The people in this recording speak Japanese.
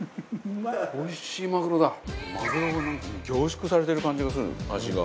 バカリズム：マグロが、もう凝縮されてる感じがする、味が。